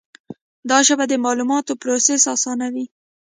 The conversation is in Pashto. دا ژبه د معلوماتو پروسس آسانوي.